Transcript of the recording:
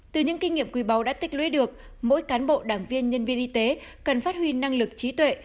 từ những kinh nghiệm quý báu đã tích lũy được mỗi cán bộ đảng viên nhân viên y tế cần phát huy năng lực trí tuệ